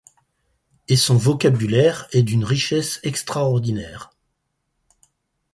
Et son vocabulaire est d’une richesse extraordinaire.